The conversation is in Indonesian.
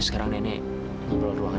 sekarang bapak pulang